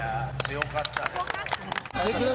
強かったです。